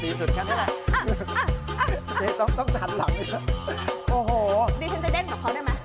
ดีฉันจะเด้นกับเขาได้ไหม